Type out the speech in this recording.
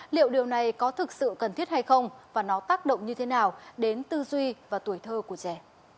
liệu điều này có thực sự cần thiết hay không và nó tác động như thế nào đến tư duy và tuổi thơ của trẻ